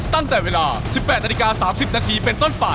ตั้งแต่เวลา๑๘นาฬิกา๓๐นาทีเป็นต้นไป